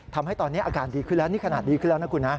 ทำให้ตอนนี้อาการดีขึ้นแล้วนี่ขนาดดีขึ้นแล้วนะคุณนะ